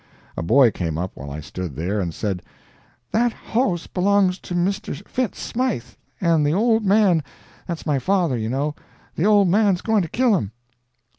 A boy came up while I stood there, and said, "That hoss belongs to Mr. Fitz Smythe, and the old man—that's my father, you know—the old man's going to kill him."